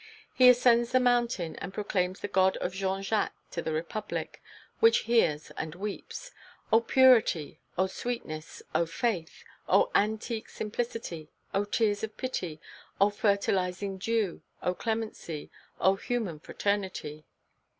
He ascends the mountain and proclaims the God of Jean Jacques to the Republic, which hears and weeps. Oh purity! oh sweetness! oh faith! oh antique simplicity! oh tears of pity! oh fertilizing dew! oh clemency! oh human fraternity!